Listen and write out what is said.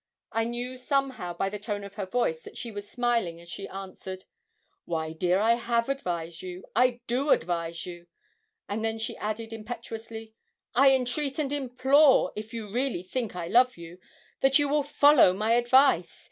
I knew somehow by the tone of her voice that she was smiling as she answered 'Why, dear, I have advised you; I do advise you;' and then she added, impetuously, 'I entreat and implore, if you really think I love you, that you will follow my advice.